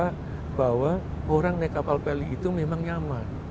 kita bahwa orang naik kapal peli itu memang nyaman